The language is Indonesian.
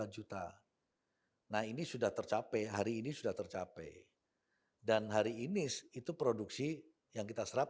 lima juta nah ini sudah tercapai hari ini sudah tercapai dan hari ini itu produksi yang kita serap